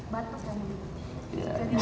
batuk yang dikasi